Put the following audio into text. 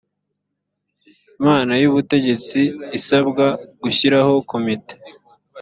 inama y ubutegetsi isabwa gushyiraho komite